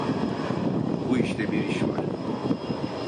Bu işte bir iş var.